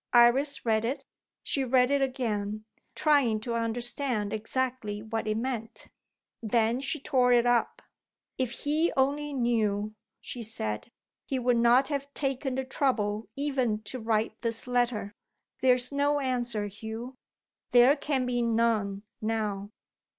Iris read it; she read it again, trying to understand exactly what it meant. Then she tore it up. "If he only knew," she said, "he would not have taken the trouble even to write this letter. There is no answer, Hugh. There can be none now.